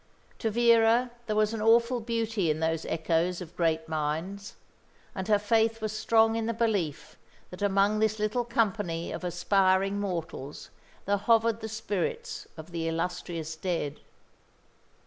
To Vera there was an awful beauty in those echoes of great minds; and her faith was strong in the belief that among this little company of aspiring mortals there hovered the spirits of the illustrious dead.